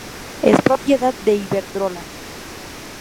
Es propiedad de Iberdrola.